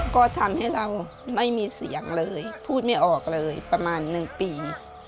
ก็ทำให้เราไม่มีเสียงเลยพูดไม่ออกเลยประมาณ๑ปี